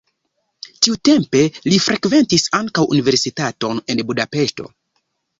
Tiutempe li frekventis ankaŭ universitaton en Budapeŝto.